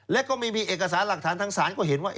และก็ไม่มีเอกสารหลักฐานทางศาลก็เห็นว่า